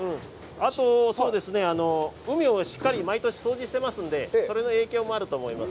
あと、海をしっかり毎年掃除してますのでそれの影響もあると思います。